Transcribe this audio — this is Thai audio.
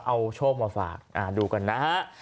เอาโชคมาฝากดูกันนะฮะ